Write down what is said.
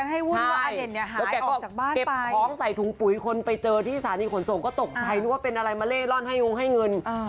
แล้วแกก็เก็บของใส่ถุงปุ๋ยคนไปเจอที่สถานีขนส่งก็ตกใจนึกว่าเป็นอะไรมาเล่ร่อนให้งงให้เงิน